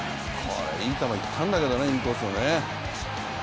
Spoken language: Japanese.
いい球いったんだけどね、インコースをね。